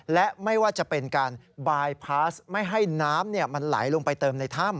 และไม่ว่าจะเป็นการบายพาสไม่ให้น้ำมันไหลลงไปเติมในถ้ำ